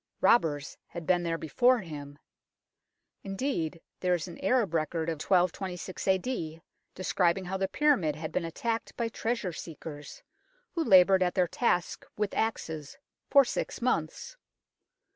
Robbers had been there before him ; indeed, there is an Arab record of 1226 A.D., describing how the pyramid had been attacked by treasure seekers, who laboured at their task with axes for six months.